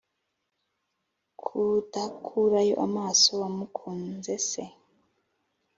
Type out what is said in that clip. kudakurayo amaso wamukunze se